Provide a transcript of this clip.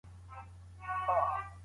دا یو په زړه پورې او نه هېرېدونکی سفر و.